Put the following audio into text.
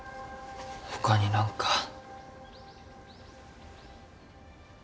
他に何か。